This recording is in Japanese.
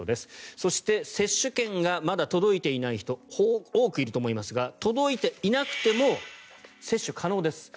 そして、接種券がまだ届いていない人多くいると思いますが届いていなくても接種可能です。